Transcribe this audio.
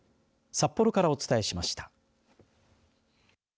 札幌からお伝えしました。